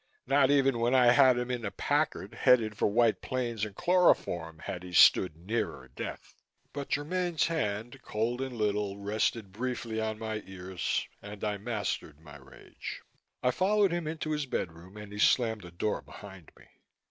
Not even when I had him in the Packard, headed for White Plains and chloroform, had he stood nearer death, but Germaine's hand cold and little rested briefly on my ears and I mastered my rage. I followed him into his bedroom and he slammed the door behind me.